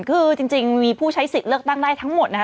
คือจริงมีผู้ใช้สิทธิ์เลือกตั้งได้ทั้งหมดนะคะ